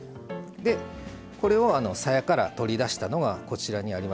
これをさやから取り出したのがこちらにありますので。